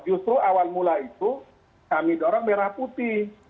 justru awal mula itu kami dorong merah putih